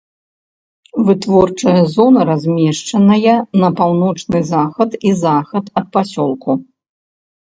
Вытворчая зона размешчаная на паўночны захад і захад ад пасёлку.